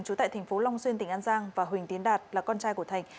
chú tại tp long xuyên tỉnh an giang và huỳnh tiến đạt là con trai của thành